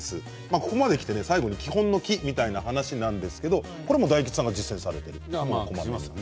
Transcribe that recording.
ここまできて最後に基本の「き」みたいな話ですがこれも大吉さんが実践されていると。